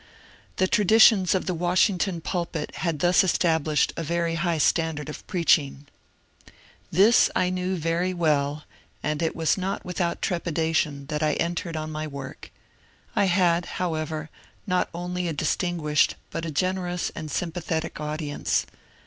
The traditions of the Washington pulpit had thus estab lished a very high standard of preaching. This I knew very 200 MONCURE DANIEL CONWAY well, and it was not without trepidation that I entered on my work. I had, however, not only a distinguished but a gen* erous and sympathetic audience.